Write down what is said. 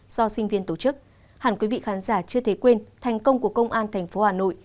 do sinh viên tổ chức hẳn quý vị khán giả chưa thể quên thành công của công an tp hà nội